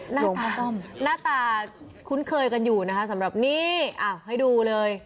หน้าตาคุ้นเคยกันอยู่นะคะสำหรับนี้อ้าวให้ดูเลย